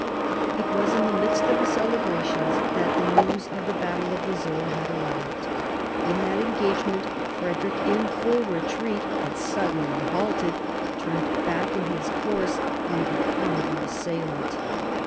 It was in the midst of the celebrations that the news of the battle of the Sohr had arrived. In that engage ment, Frederick, in full retreat, had suddenly halted, turned back in his course, and become the assailant.